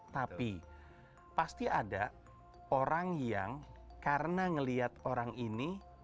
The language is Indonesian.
tapi pasti ada orang yang karena melihat orang ini